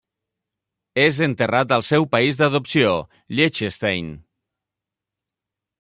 És enterrat al seu país d'adopció, Liechtenstein.